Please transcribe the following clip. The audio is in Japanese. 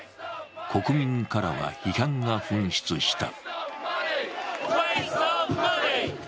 国民からは、批判が噴出した。